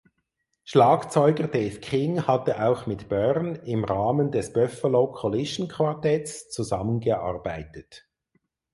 Schlagzeuger Dave King hatte auch mit Berne im Rahmen des Buffalo Collision Quartetts zusammengearbeitet.